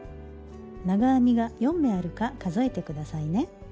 長編みが４目あるか数えて下さいね。